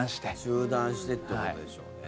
中断してってことでしょうね。